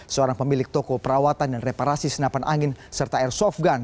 seorang pemilik toko perawatan dan reparasi senapan angin serta airsoft gun